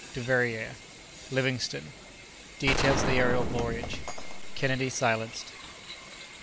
—Duveyrier.—Livingstone.—Details of the Aerial Voyage.—Kennedy silenced.